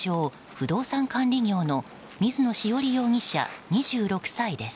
・不動産管理業の水野潮理容疑者、２６歳です。